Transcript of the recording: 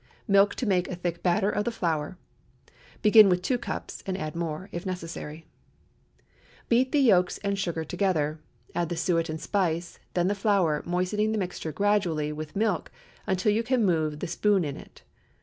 Milk to make a thick batter of the flour. Begin with two cups, and add more if necessary. Beat the yolks and sugar together; add the suet and spice, then the flour, moistening the mixture gradually with milk until you can move the spoon in it.